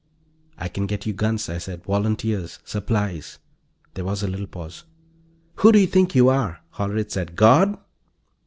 "I can get you guns," I said. "Volunteers. Supplies." There was a little pause. "Who do you think you are?" Hollerith said. "God?"